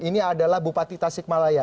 ini adalah bupati tasik malaya